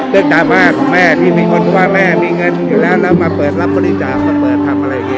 ดราม่าของแม่ที่มีคนว่าแม่มีเงินอยู่แล้วแล้วมาเปิดรับบริจาคมาเปิดทำอะไรอย่างนี้